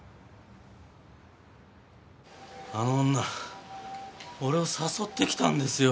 あの女俺を誘ってきたんですよ。